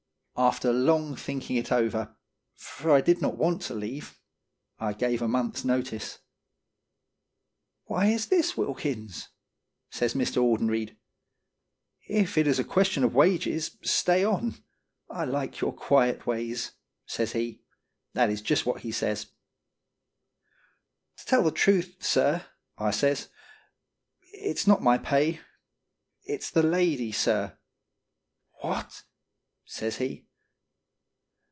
After long thinking it over, for I did not want to leave, I gave a month's notice. " Why is this, Wilkins?" says Mr. Auden ried. " If it is a question of wages, stay on. I like your quiet ways,*' says he. That is just what he says. "To tell the truth, sir," I says, "it's not my pay it's the lady, sir." "What!" says he.